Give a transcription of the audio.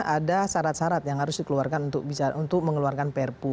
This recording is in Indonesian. ada sarat sarat yang harus dikeluarkan untuk mengeluarkan perpu